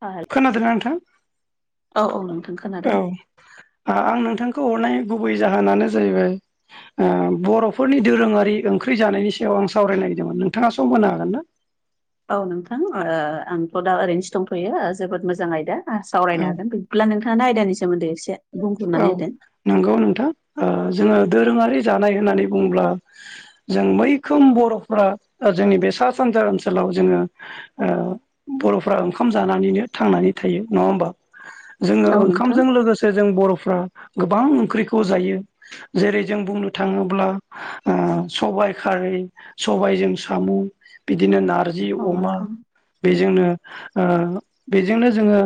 औ। खोनादोंना नोंथां? औ औ नोंथां खोनादों। औ आं नोंथांखौ हरनाय गुबै जाहोनानो जाहैबाय। बर'फोरनि दोरोङारि ओंख्रि जानायनि सायाव आं सावराय नागिरदोंमोन नोंथाङा सम होनो हागोन ना। औ नोंथां आंथ' दा ओरैनोसो दंथ'यो जोबोद मोजां आयदा आ सावरायनो हागोन बिदिब्ला नोंथाङा आयदानि सोमोन्दै एसे। औ बुंफोरनानै होदो नंगौ नोंथां जोङो दोरोङारि जानाय होननानै बुङोब्ला। जों मैखोम बर'फ्रा जोंनि बे सा सानजा ओनसोलाव जोङो। बर'फ्रा ओंखाम जानानैनो थांनानै थायो नङा होमबा? जोङो औ नोंथां ओंखामजों लोगोसे जों बर'फ्रा गोबां ओंख्रिखौ जायो। जेरै जों बुंनो थाङोब्ला सबाइ खारै। सबायजों साम' बिदिनो नारजि औ अमा। नोंथां बेजोंनो बेजोंनो जोङो।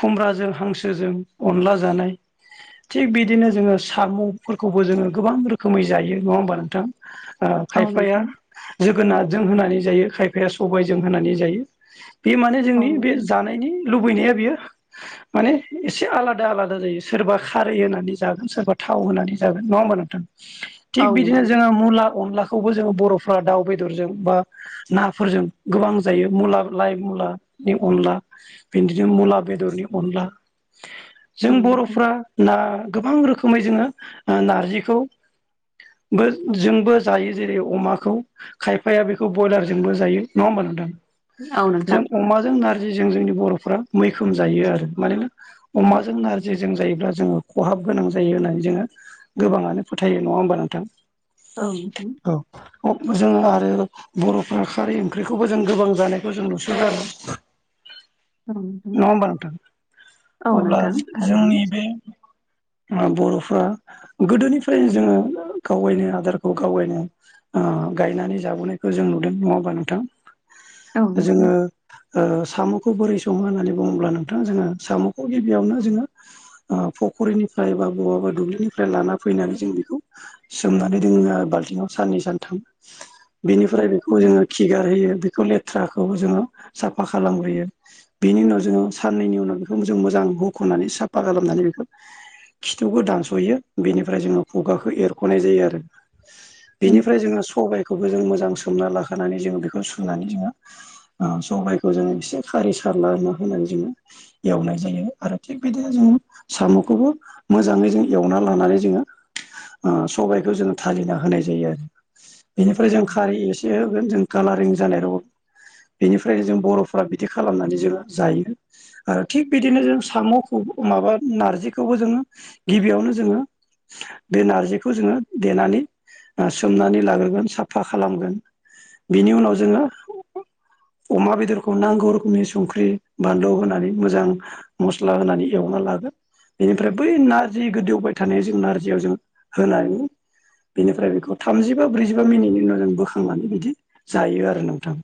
खुमब्राजों हांसोजों अनला जानाय। थिग बिदिनो जोङो साम'फोरखौबो जोङो गोबां रोखोमै जायो नङा होमबा नोंथां‌। आ औ खायफाय नोंथां जोगोनारजों होनानै जायो खायफाया सबायजों होनानै जायो। बे माने औ जोंनि बे नोंथां जानायनि लुबैनाया बेयो माने एसे आलादा। आलादा आलादा जायो सोरबा खारै होनानै जागोन सोरबा थाव होनानै जागोन नङा होमबा नोंथां। औ थिग बिदिनो नोंथां जोङो मुला अनलाखौबो जोङो बर'फ्रा दाउ बेदरजों बा नाफोरजों गोबां जायो मुला लाइ मुलानि अनला बिदिनो मुला बेदरनि अनला जों औ नोंथां बर'फ्रा ना गोबां रोखोमै जोङो नारजिखौ। ब जोंबो जायो जेरै अमाखौ। खायफाया बेखौ ब्रयलारजोंबो जायो नङा होमबा नोंथां। औ नोंथां जों अमाजों नारजिजों जोंनि बर'फ्रा मैखोम जायो आरो मानोना अमाजों। जों नारजिजों जायोब्ला जोङो खहाब गोनां जायो होननानै जोङो। गोबाङानो फोथायो नङा होमबा नोंथां। औ। औ जों आरो। बर'फ्रा खारै ओंख्रिखौबो जों गोबां जानायखौ जों नुसन जादों। [inaudible] नङा होमबा नोंथां औ अब्ला नोंथां जोंनि बे [inaudible] बर'फ्रा गोदोनिफ्रायनो जोङो गावबायनो आदारखौ गावबायनो गायनानै जाबोनायखौ जों नुदों नङाबा नोंथां औ नोंथां जोङो साम'खौ बोरै सङो होननानै बुङोब्ला नोंथां जोङो साम'खौ गिबियावनो जोङो फख्रिनिफ्राय बा बहाबा दुब्लिनिफ्राय लाना फैनानै जों बेखौ सोमनानै दोङो बाल्थिंव साननै सानथाम बेनिफ्राय बेखौ जोङो किगार होयो बेखौ ले राखौ जोङो साफा खालामबोयो बिनि उनाव जोङो साननैनि उनाव बेखौ जों मोजां खुनानै साफा खालामनानै बेखौ खिथौखौ दानस'यो बेनिफ्राय जोङो खुगाखौ एरख'नाय जायो आरो। औ बिनिफ्राय जोङो सबायखौबो जों मोजां सोमना लाखानानै जोङो बेखौ सुनानै जोङो। सबाइखौ जोङो एसे खारै सारला होनानै जोङो एवनाय जायो। आरो थिग बिदिनो जों साम'खौबो मोजाङै जों एवना लानानै जोङो सबायखौ जोङो थालिना होनाय जायो आरो बेनिफ्राय जों खारै एसे एसे होगोन जों कालारिं जालाय रावोन बेनिफ्रायनो जों बर'फोरा बिदि खालामनानै जोंङो जायो। आरो थिग बिदिनो जों साम'खौ माबा- नारजिखौबो जोङो गिबियावनो जोङो बे नारजिखौ जोङो देनानै ओ सोमनानै लाग्रोगोन साफा खालामगोन बेनि उनाव जोङो अमा बेदरखौ नांगौ रोखोमनि संख्रि बानलौ होनानै मोजां। मस्ला होनानै एवना लागोन। बेनिफ्राय बै नारजि गोदवबाय थानाय जों नारजियाव जों होनानै बेनिफ्राय बेखौ थामजिबा ब्रैजिबा मिनिटनि उनाव जों बोखांनानै बिदि जायो आरो नोंथां।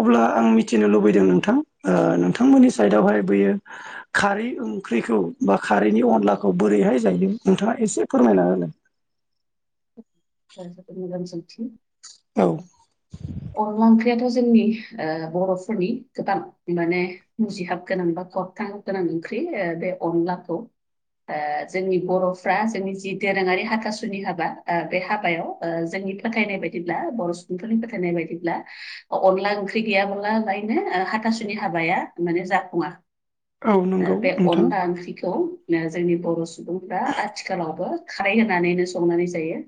अब्ला आं मिथिनो लुबैदों नोंथां नोंथांमोननि साइडआवहाय बेयो खारै ओंख्रिखौ बा खारैनि अनलाखौ बोरैहाय जायो नोंथाङा एसे फोरमायना होनाय। ओं जोबोद मोजां सोंथि औ अनला ओंख्रियाथ' जोंनि ओ बर'फोरनि गोबां माने मुजिहाब गोनां बा खरथां गोनां ओंख्रि ओ बे अनलाखौ ओ जोंनि बर'फ्रा जोंनि जि दोरोङारि हाथासुनि हाबा ओ बे हाबायाव ओ जोंनि फोथायनाय बायदिब्ला बर' सुबुंफोरनि फोथायनाय बायदिब्ला अनला ओंख्रि गैयाब्ला लायनो हाथासुनि हाबाया माने जाफुङा औ ओ नंगौ बे नोंथां अनला ओंख्रिखौ जोंनि बर' सुबुंफ्रा आथिखालावबो खारै होनानैनो संनानै जायो।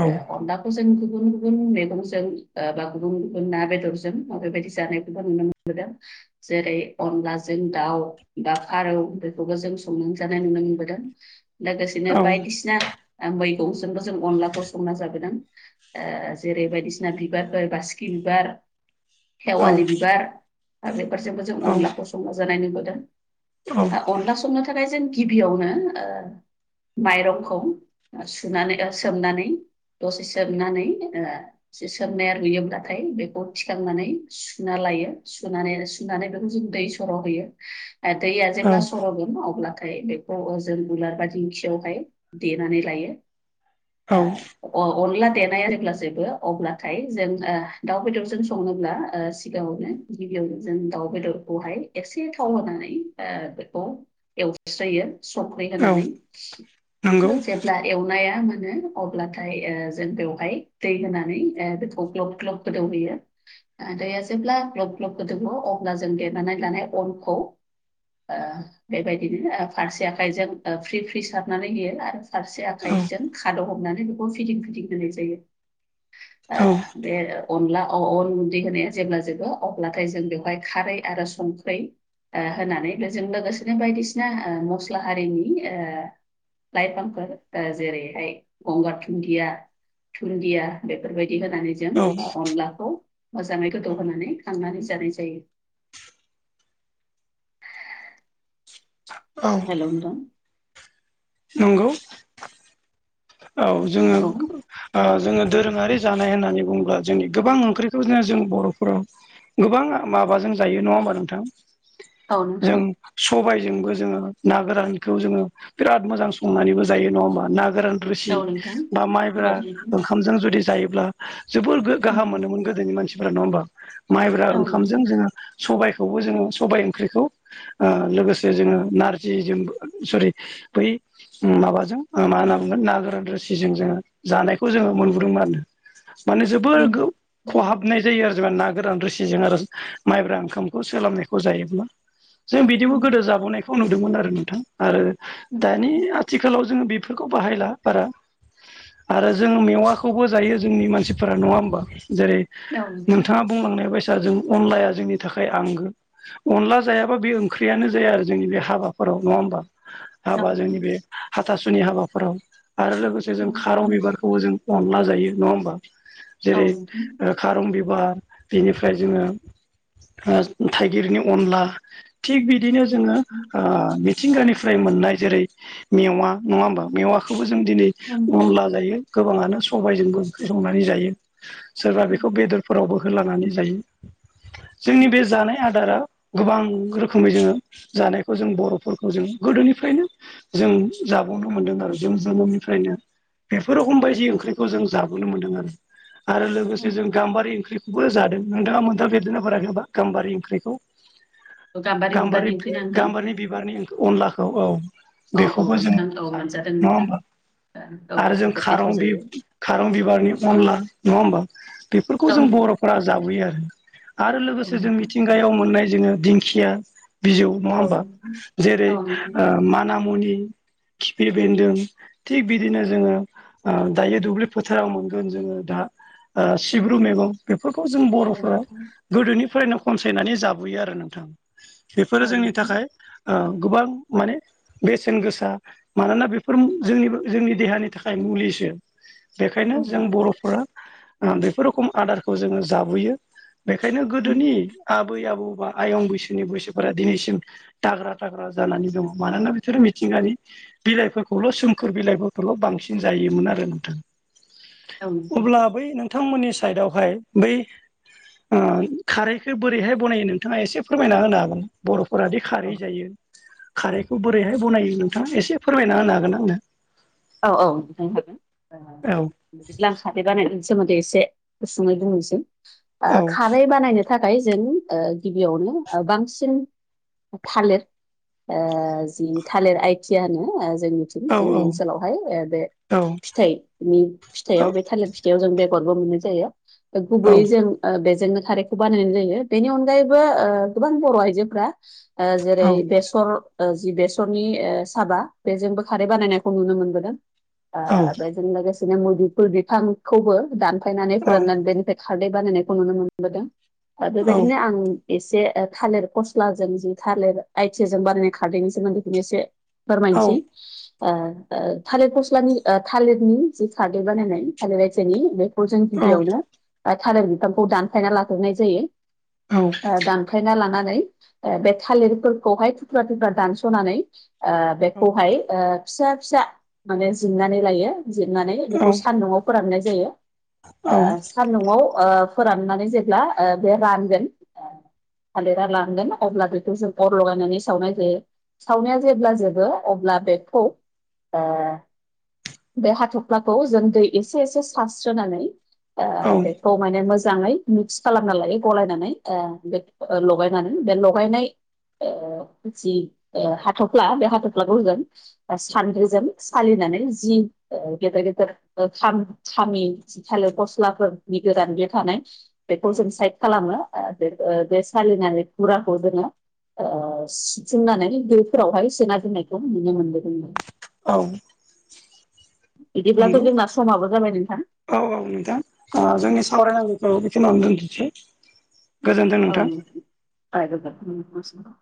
औ ओ अनला खौ जों गुबुन गुबुन मेगंजों बा गुबुन गुबुन ना बेदरजों मा बेबायदि जानायखौबो नुनो मोनो। जेरै अनलाजों दाउ बा फारौ बेफोरखौ जों संनानै जानाय नुनो मोनबोदों। लोगोसेनो औ बायदिसिना ओ मैगंजोंबो जों अनलाखौ संना जाबोदों। ओ जेरै बायदिसिना बिबारफोर बासिखि बिबार औ खेवालि बिबार दा बेफोरजोंबो जों औ अनलाखौ संना जानाय नुबोदों औ दा अनला संनो थाखाय जों गिबियावनो ओ माइरंखौ सुनानै ओ सोमनानै दसे सोमनानै ओ सोमनाया रुयोब्लाथाय बेखौ थिखांनानै सुना लायो सुनानै सुनानै बेखौ जों दै स- सर'हयो ओ दैया औ जेब्ला सर'गोन अब्लाथाय बे खौ ओ जों उलार बा दिंखियावहाय देनानै लायो। औ अनला देनाया जेब्ला जोबो अब्लाथाय जों ओ दाउ बेदरजों सङोब्ला ओ सिगाङावनो गिबियाव जों दाउ बेदरखौहाय एसे थाव होनानै ओ बेखौ एवस्रोयो संख्रै औ होनानै नंगौ जेब्ला एउ- नाया मोनो अब्लाथाय ओ जों बेवहाय दै होनानै ओ बेखौ ग्लब ग्लब गोदौहोयो दैया जेब्ला ग्लब ग्लब गोदौवो अब्ला जों देनानै लानाय अनखौ ओ बेबायदिनो ओ फारसे आखाइजों ओ फ्रि फ्रि सारनानै होयो आरो फारसे औ आाइजों खादौ' हमनानै बेखौ फिदिं फिदिं होनाय जायो औ बे अनला अन उन्दै होनाया जेब्ला जोबो अब्लाथाय जों बेवहाय खारै आरो संख्रै ओ होनानै बेजों लोगोसेनो बायदिसिना ओ मस्ला हारिनि ओ लइफांफोर ओ जेरैहाय गंगार धुन्दिया धुन्दिया बेफोरबायदि होनानै जों औ जों अनलाखौ मोजाङै गोदौहानै खांनानै जानाय जायो। औ हेलौ नोंथां नंगौ औ जोङो औ ओ जोङो दोरोङारि जानाय होननानै बुङोब्ला जोंनि गोबां ओंख्रिखौ जों बर'फोराव गोबां माबाजों जायो नङा होमबा नोंथां औ नोंथां जों सबायजोंबो जोङो ना गोरानखौ जोङो बिराद मोजां संनानैबो जायो नङा होमबा ना गोरान रुसि औ नोंथां बा औ माइब्रा नोंथां ओंखामजों जुदि जायोब्ला जोबोर उम, गाहाम मोनोमोन गोदोनि मानसिफोरा नङा होमबा माइब्रा औ नोंथां ओंखामजों जोङो सबायाइखौबो जोङो सबाय ओंख्रिखौ लोगोसे जोङो नारजि जों सरि बै माबाजों मा होन नागोरान रोसिजों जोङो जानायखौ जोङो मोनबोदोंमोन माने औ जोबोर खहाबनाय जायो आरो जेनबा ना गोरान रोसिजों आरो माइब्रा ओंखामखौ सोलाबनायखौ जायोब्ला [inaudible] जों बिदिबो गोदो उम, जाबोनायखौ नुदोंमोन आरो नोंथां आरो दानि आथिखालाव जोङो बेफोर खौ बाहायला बारा आरो जों मेवाखौबो जायो जोंनि मानसिफोरा नङा होमबा जेरै औ नोंथां नोंथाङा बुंलांनाय बायसा जों अनलाया जोंनि थाखाय आंगो अनला जायाबा बे ओंख्रियानो जाया आरो जोंनि बे हाबाफोराव नङा होमबा औ नोंथां औ हाबा जोंनि बे हाथासुनि हाबाफोराव आरो लोगोसे जों खारौ नोंथां बिबार खौ जों अनला जायो नङा होमबा जेरै खारं बिबार बिनिफ्राय जोङो थाइगिरनि अनला थिग बिदिनो उम, जोङो मिथिंगानिफ्राय मोननाय जेरै मेवा नङा होमबा मेवाखौबो जों दिनै उम, अनला जायो गोबाङानो सबायजोंबो ओंख्रि संनानै जायो सोरबा उम, बेखौ बेदरफोरावबो होलानानै जायो जोंनि बे जानाय आदारा गोबां रोखोमै जोङो जानायखौ जों बर'फोरखौ जों गोदोनिफ्रायनो जों जाबावनो मोनदों आरो जों जोनोमनिफ्रायनो बेफोर रखम बायदि ओंख्रिखौ जों जाबोनो मोन्दों आरो आरो लोगोसे उम। जों गाम्बारि ओंख्रि जादों नोंथाङा मोनथाम फेरदेरनो बाखैा गामबारि ओंख्रिखौ [inaudible] गाम्बारि बिबारनि ओंख्रि ना नोंथां गाम्बारिनि बिबारनि अनलाखौ औ औ औ बेखौबो जों नोंथां औ जायो मोनजादों नङा नोंथां होमबा ओ, औ आरो जों जोबोद गोथाव खारं जायो खारं बिबारनि अनला नङा होमबा बेफोरखौ औ जों नोंथां बर'फोरा जाबोयो आरो आरो औ लोगोसे जों नोंथां मिथिंगायाव मोननाय जोङो दिंखिया बिजौ नङा औ होमबा जेरै औ नोंथां माना मुनि खिफि बेन्दों थिग बिदिनो जोङो दायो दुब्लि फोथाराव मोनगोन जोङो दा सिब्रु मैगं बेफोरखौ जों औ बर'फोरा नोंथां गोदोनिफ्रायनो खनसायनानै जाबोयो आरो नोंथां बेफोरो औ जोंनि नोंथां थाखाय गोबां माने बेसेन गोसा मानोना बेफोर जोंनि जोंनि देहानि थाखाय मुलिसो औ बेखायनो जों नोंथां बर'फोरा बेफोर रोखम आदारखौ जोङो जाबोयो बेखायनो गोदोनि आबै आबौ बा आयं बैसोनि बैसोफोरा दिनैसिम दाग्रा थाग्रा जानानै दङ मानोना बिसोरो मिथिंगानि बिलाइफोरखौल' सोमखोर बिलाइफोरखौल' बांसिन जायोमोन आरो नोंथां औ नोंथां अब्ला बै नोंथांमोननि साइदावहाय बै खारैखौ बोरैहाय बनायो नोंथाङा एसे फोरमायना होनो हागोन बर'फोराादि औ खारै जायो खारैखौ बोरैहाय बनायो नोंथाङा एसे फोरमायना होनो हागोन आंनो औ औ नोंथां ओ, आंनो बिदिब्ला बानायनायनि सोमोन्दै एसे गुसुङै बुंनोसै औ खारै बानायनो थाखाय जों गिबियावनो बांसिन थालिर जि थालिर आइथिया होनो जोंनि औ औ आनसालावहाय बे फिथाइनि फिथाइयाव बे थालिर फिथाइयाव जों बेगरबो मोननाय जायो औ गुबैयै जों बेजोंनो खारैखौ बानायनाय जायो बेनि अनगायैबो गोबां बर' आयजोफ्रा जेरै बेसर जि बेसरनि साबा बेजोंबो खारै बानायनाय खौ नुनो मोनबोदों औ बेजों लोगोसेनो मुदुफुलफोर बिफांखौबो द सफायनानै फोराननानै बेनिफ्राय खारदै बानायनायखौ नुनो मोनबोदों आरो औ बेबायदिनो आं एसे थालिर खस्लाजों जि थालिर आइथिाजों बानायनाय खारदनायनि सोमोन्दैखौनो एसे फोरमायनोसै थालिर गस्लानि थालिरनि जि खादिर बानायनाय थालिर रायजोनि बे जों गिबियावनो थालिर बिफांखौ दानफायना लाग्राय जायो ओंखायना लानानै बे थालिरफोरखौहाय थुख्रा थुख्रा दानस'नानै बेखौहाय फिसा फिसा माने जंनानै लायो जिरनानै बेखौ सानदुआव फोराननाय जायो सान्दुआव फोराननानै जेब्ला बे रानगोन थालिरा लांगोन अब्ला बेखौ जों अर लगायनानै सावनाय जायो सावनाया जेब्ला जोबो अब्ला बेखौ बे हाथ'फ्लाखौ जों दै एसे एसे सारस्रोनानै आ औ आ थ माने मोजाङै मिक्स खालामना लायो गलायनानै बे लगायनानै बे लगायनाय जि हाथ'फ्ला बे हाथ'फ्लाखौजों सानद्रिजों सालिनानै जि गेदेर गेदेर खामि जि खाालो फस्लाफोरनि गोदान बे थानाय बेखौ औ जों साइड खालामो बे बे सालिनानै खुराखौ जोङो सिफुंनानै दफोरावहाय सोना दोननायखौ नुनो मोनबो जों औ बिदिब्लाथ' नंगौ जोंना समाबो जाबाय नोंथां औ औ नोंथां जोंनि सावरायनांगौखौ बेखौनो दोनथिसै औ नंगौ